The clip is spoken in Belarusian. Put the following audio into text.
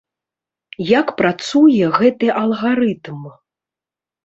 Як працуе гэты алгарытм?